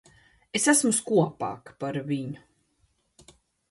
Es esmu skopāka par viņu.